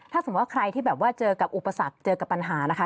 ถ้าสมมุติว่าใครที่แบบว่าเจอกับอุปสรรคเจอกับปัญหานะคะ